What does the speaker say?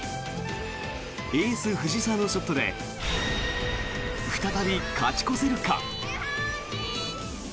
エース、藤澤のショットで再び勝ち越せるか。